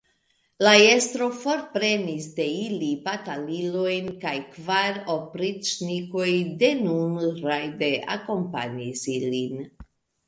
La estro forprenis de ili batalilojn, kaj kvar opriĉnikoj denun rajde akompanis ilin.